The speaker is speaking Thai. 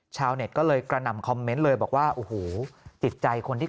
ชาวเน็ตก็เลยกระหน่ำคอมเมนต์เลยบอกว่าโอ้โหจิตใจคนที่